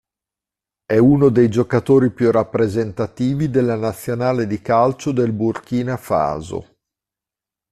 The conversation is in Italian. È uno dei giocatori più rappresentativi della nazionale di calcio del Burkina Faso.